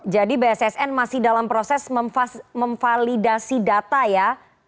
jadi bssn masih dalam proses memvalidasi data ya